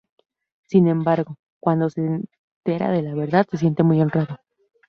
Sin embargo, cuando se entera de la verdad, se siente muy honrado.